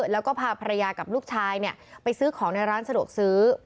แล้วก็พาภรรยากับลูกชายไปซื้อของในร้านสะดวกซื้อ